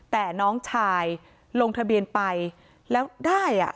แต่น้องชายลงทะเบียนไปแล้วได้อ่ะ